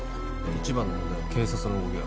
一番の問題は警察の動きだろ